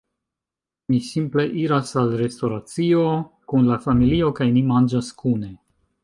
Mi simple iras al restoracio kun la familio kaj ni manĝas kune